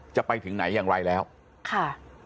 ไปถึงไหนอย่างไรแล้วค่ะ